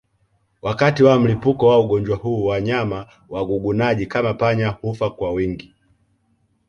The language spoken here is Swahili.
Wakati wa mlipuko wa ugonjwa huu wanyama wagugunaji kama panya hufa kwa wingi